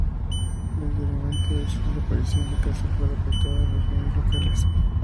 Desde el momento de su desaparición, el caso fue reportado en los medios locales.